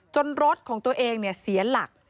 รถของตัวเองเสียหลัก